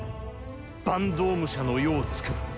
坂東武者の世をつくる。